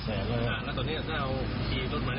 น่ะแล้วตัวนี้เนี่ยไปไหน